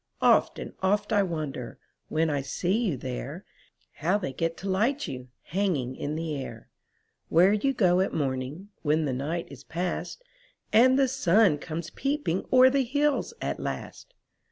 Oft and oft I wonder. When I see you there, How they get to light you, Hanging in the air. Where you go at morning. When the night is past. And the sun comes peeping O'er the hills at last.